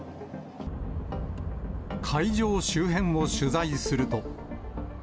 会場周辺を取材すると。